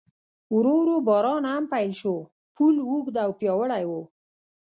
ورو ورو باران هم پیل شو، پل اوږد او پیاوړی و.